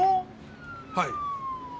はい。